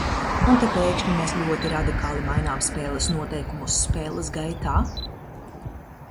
Un te pēkšņi mēs ļoti radikāli mainām spēles noteikumus spēles gaitā!